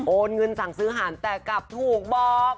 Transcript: เงินสั่งซื้อหารแต่กลับถูกบอก